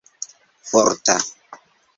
forta